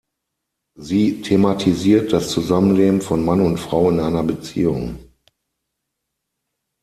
Sie thematisiert das Zusammenleben von Mann und Frau in einer Beziehung.